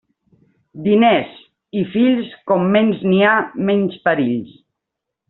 Diners i fills, com menys n'hi ha, menys perills.